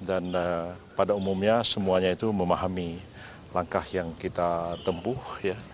dan pada umumnya semuanya itu memahami langkah yang kita tempuh ya